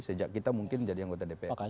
sejak kita mungkin jadi anggota dpr